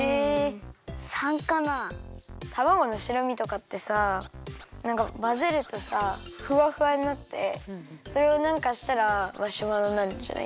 たまごの白身とかってさなんかまぜるとさフワフワになってそれをなんかしたらマシュマロになるんじゃない？